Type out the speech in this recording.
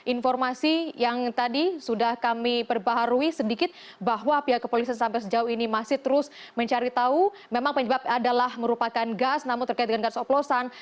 informasi yang tadi sudah kami perbaharui sedikit bahwa pihak kepolisian sampai sejauh ini masih terus mencari tahu memang penyebab adalah merupakan gas namun terkait dengan gas oplosan